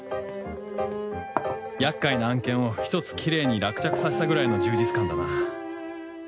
やっかいな案件を１つきれいに落着させたくらいの充実感だな